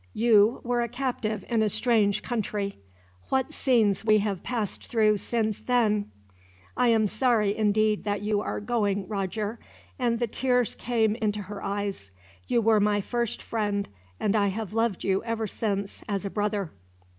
You were a captive in a strange country. What scenes we have passed through since then! "I am sorry, indeed, that you are going, Roger," and the tears came into her eyes; "you were my first friend, and I have loved you ever since, as a brother.